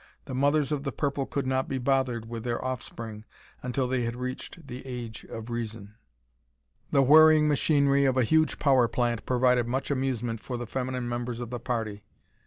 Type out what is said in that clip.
The mothers of the purple could not be bothered with their offspring until they had reached the age of reason. The whirring machinery of a huge power plant provided much amusement for the feminine members of the party.